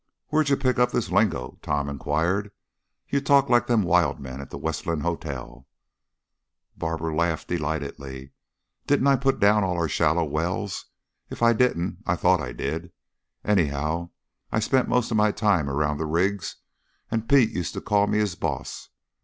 "Where'd you pick up this lingo?" Tom inquired. "You talk like them wild men at the Westland Hotel." Barbara laughed delightedly. "Didn't I put down all our shallow wells? If I didn't, I thought I did. Anyhow, I spent most of my time around the rigs and Pete used to call me his boss.